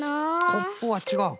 コップはちがう。